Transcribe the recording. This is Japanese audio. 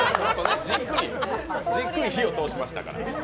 じっくり火を通しましたから。